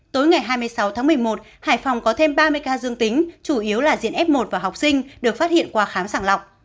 tối ngày hai mươi sáu tháng một mươi một hải phòng có thêm ba mươi ca dương tính chủ yếu là diện f một và học sinh được phát hiện qua khám sàng lọc